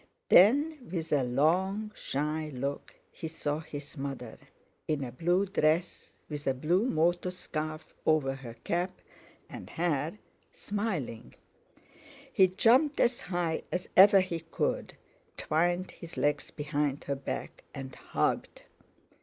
Then, with a long, shy look he saw his mother, in a blue dress, with a blue motor scarf over her cap and hair, smiling. He jumped as high as ever he could, twined his legs behind her back, and hugged.